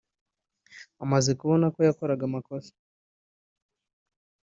amaze kubona ko yakoraga amakosa